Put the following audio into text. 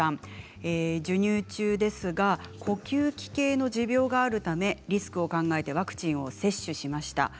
授乳中ですが呼吸器系の持病があるためリスクを考えてワクチンを接種しました。